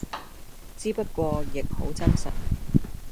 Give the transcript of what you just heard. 之不過亦好真實